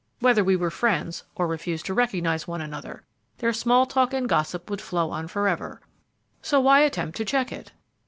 Whether we were friends, or refused to recognize one another, their small talk and gossip would flow on forever, so why attempt to check it?"